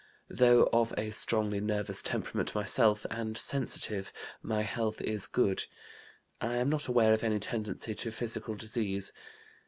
"Though of a strongly nervous temperament myself, and sensitive, my health is good. I am not aware of any tendency to physical disease.